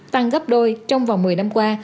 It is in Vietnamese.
tăng gấp đôi trong vòng một mươi năm qua